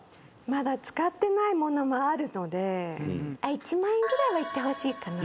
「まだ使ってないものもあるので１万円ぐらいはいってほしいかな」